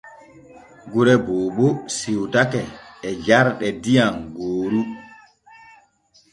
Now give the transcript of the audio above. Gure Boobo siwtake e jarɗe diyam gooru.